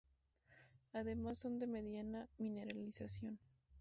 Además son de mediana mineralización.